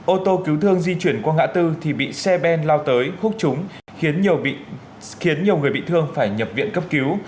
ô tô cứu thương di chuyển qua ngã tư thì bị xe ben lao tới khúc trúng khiến nhiều người bị thương phải nhập viện cấp cứu